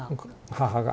母が。